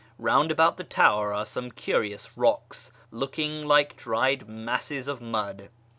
Eound about the tower are some curious rocks, looking like dried masses of mud.